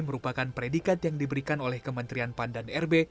merupakan predikat yang diberikan oleh kementerian pan dan rb